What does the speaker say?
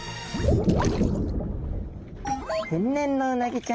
天然のうなぎちゃんです。